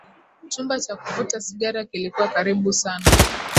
chumba cha kuvuta sigara kilikuwa karibu sana